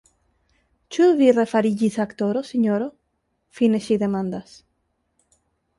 Ĉu vi refariĝis aktoro, sinjoro?fine ŝi demandas.